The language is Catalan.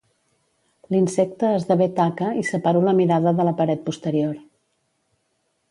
L'insecte esdevé taca i separo la mirada de la paret posterior.